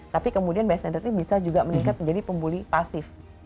tapi kemudian bystanderly bisa juga meningkat menjadi pembuli pasif